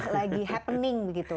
lagi happening begitu